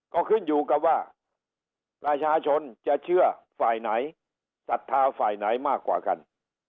ก็ขึ้นอยู่กับว่าประชาชนจะเชื่อฝ่ายไหนศรัทธาฝ่ายไหนมากกว่ากัน